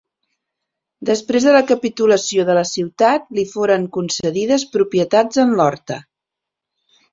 Després de la capitulació de la ciutat li foren concedides propietats en l'horta.